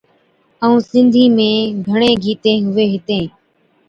ائُون سِنڌِي ۾ گھڻين گيتين ھُوي ھِتين